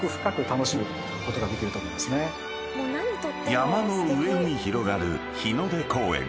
［山の上に広がる日の出公園］